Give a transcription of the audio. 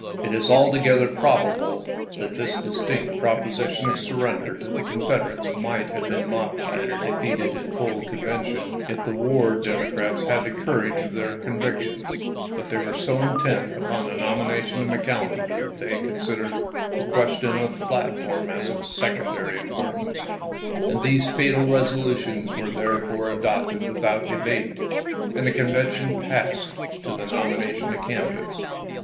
It is altogether probable that this distinct propo sition of surrender to the Confederates might have been modified or defeated in full convention if the war Democrats had had the courage of their con victions ; but they were so intent upon the nomi nation of McClellan that they considered the question of platform as of secondary importance, and these fatal resolutions were therefore adopted without debate, and the Convention passed to the nomination of candidates.